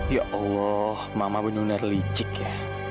ya allah mama benar benar licik ya